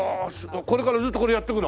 これからずっとこれやっていくの？